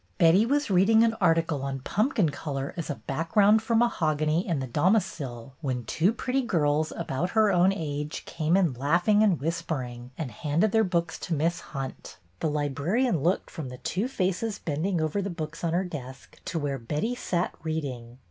Betty was reading an article on Pumpkin Color as a Background for Mahogany '' in The Domicile, when two pretty girls, about her own age, came in laughing and whispering, and handed their books to Miss Hunt. The libra rian looked from the two faces bending over the books on her desk to where Betty sat reading.